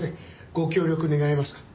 ご協力願えますか？